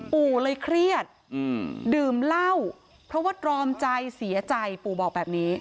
ปู่เลยเครียดดื่มเหล้าเพราะว่าตรอมใจเสียใจปู่บอกแบบนี้